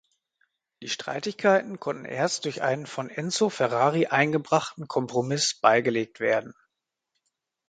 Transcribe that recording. Die Streitigkeiten konnten erst durch einen von Enzo Ferrari eingebrachten Kompromiss beigelegt werden.